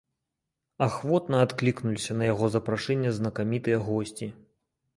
Ахвотна адклікнуліся на яго запрашэнне знакамітыя госці.